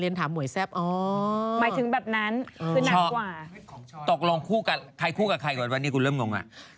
นั้นคือนักกว่าตกลงคู่กันใครคู่กับใครก่อนว่านี่กูเริ่มงงอ่ะ